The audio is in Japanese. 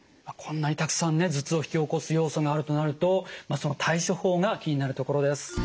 こんなにたくさんね頭痛を引き起こす要素があるとなるとその対処法が気になるところです。